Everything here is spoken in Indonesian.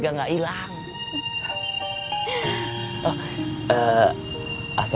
nom itu aapung rekomensi arak saya